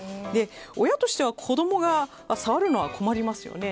親としては子供が触るのは困りますよね。